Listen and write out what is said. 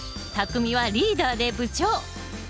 たくみはリーダーで部長。